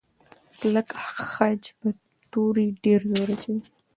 کلک خج پر توري ډېر زور اچوي.